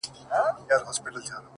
راڅخه زړه وړي رانه ساه وړي څوك،